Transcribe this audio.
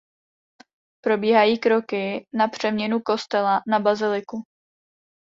Probíhají kroky na přeměnu kostela na baziliku.